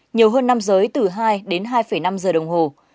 nhiều hơn nam giới từ hai đến hai năm giờ đồng hồ